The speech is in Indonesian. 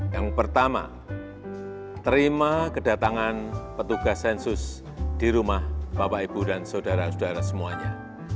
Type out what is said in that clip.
yang pertama terima kedatangan petugas sensus di rumah bapak ibu dan saudara saudara semuanya